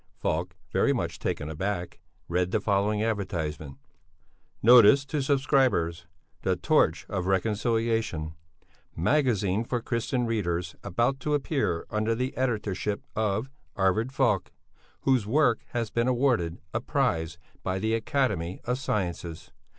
Falk, very much taken aback, read the following advertisement: "Notice to subscribers: The Torch of Reconciliation. Magazine for Christian readers, about to appear under the editorship of Arvid Falk whose work has been awarded a prize by the Academy of Sciences.